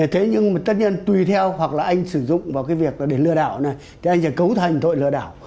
thế nhưng tùy theo hoặc là anh sử dụng vào việc để lừa đảo anh sẽ cấu thành tội lừa đảo